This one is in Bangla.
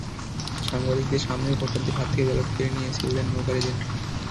সাংবাদিকদের সামনেও ভোটারদের হাত থেকে ব্যালট কেড়ে নিয়ে সিল দেন নৌকার এজেন্টরা।